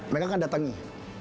mereka akan datang nih